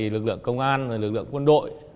lực lượng công an lực lượng quân đội